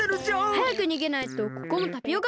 はやくにげないとここもタピオカだらけになりますよ。